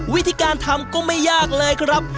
วิธีการทำก็ไม่ยากเลยครับ